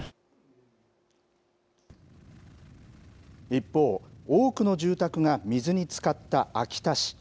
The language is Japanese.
一方、多くの住宅が水につかった秋田市。